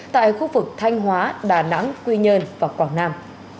tại khu vực thanh hóa đà nẵng quy nhơn và quảng nam